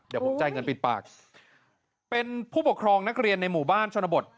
เดี๋ยวผมจ่ายเงินปิดปากเป็นผู้ปกครองนักเรียนในหมู่บ้านชนบท